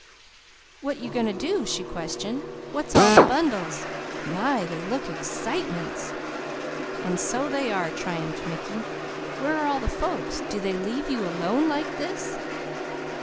"What you going to do?" she questioned. "What's all the bundles? My they look excitements!" "And so they are!" triumphed Mickey. "Where are all the folks? Do they leave you alone like this?"